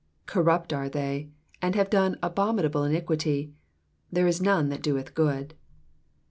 Corrupt are they, and have done abominable iniquity : tAere is none that doeth good.